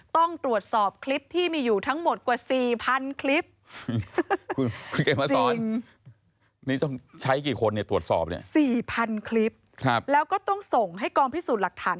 ทั้งหมดทำงานกันอย่างเข้มข้นเลยจริงค่ะ